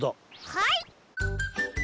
はい！